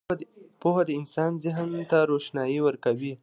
• پوهه د انسان ذهن ته روښنايي ورکوي.